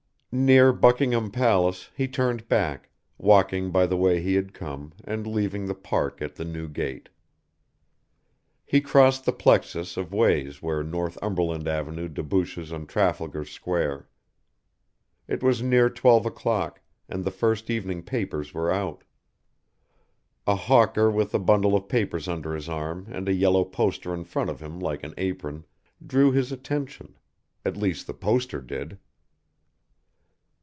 Near Buckingham Palace he turned back, walking by the way he had come, and leaving the park at the new gate. He crossed the plexus of ways where Northumberland Avenue debouches on Trafalgar Square. It was near twelve o'clock, and the first evening papers were out. A hawker with a bundle of papers under his arm and a yellow poster in front of him like an apron, drew his attention; at least the poster did.